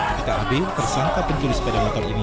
ketika ab tersangka pencuri sepeda motor ini